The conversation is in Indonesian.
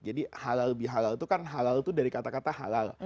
jadi halal bihalal itu kan halal itu dari kata kata halal